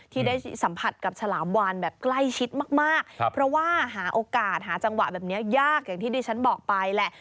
ที่ได้สัมผัสกับฉลามวานแบบใกล้ชิดมากเพราะว่าหาโอกาสหาจังหวะแบบนี้ยากอย่างที่ดิฉันบอกไปแหละ